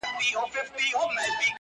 بس د رڼا په تمه ژوند کوي رڼا نه لري!!